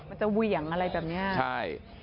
มันจะเหวี่ยงอะไรแบบนี้